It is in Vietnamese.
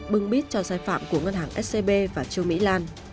bưng bít cho sai phạm của ngân hàng scb và trương mỹ lan